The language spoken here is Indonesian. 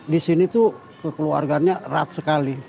di sini tuh kekeluarganya rat sekali